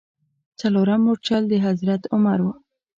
څلورم مورچل د حضرت عمر و.